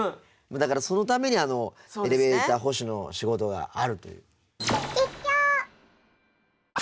だからそのためにエレベーター保守の仕事があるという。